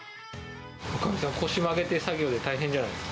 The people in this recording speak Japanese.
おかみさん、腰曲げて作業で大変じゃないですか。